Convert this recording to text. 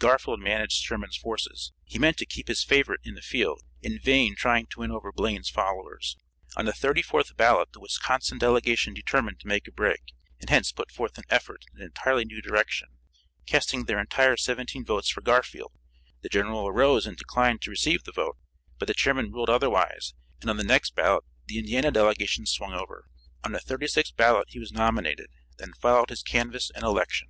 Garfield managed Sherman's forces. He meant to keep his favorite in the field, in vain trying to win over Blaine's followers. On the thirty fourth ballot the Wisconsin delegation determined to make a break, and hence put forth an effort in an entirely new direction, casting their entire seventeen votes for Garfield. The General arose and declined to receive the vote, but the chairman ruled otherwise, and on the next ballot the Indiana delegation swung over. On the thirty sixth ballot he was nominated. Then followed his canvass and election.